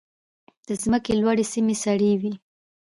د ځمکې لوړې سیمې سړې وي.